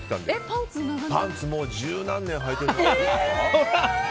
パンツ十何年はいてる。